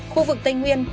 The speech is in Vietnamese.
khu vực tây nguyên